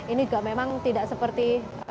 ini juga memang tidak seperti